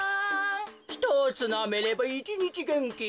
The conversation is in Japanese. ひとつなめれば１にちげんき。